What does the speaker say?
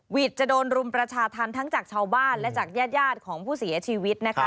จะโดนรุมประชาธรรมทั้งจากชาวบ้านและจากญาติของผู้เสียชีวิตนะคะ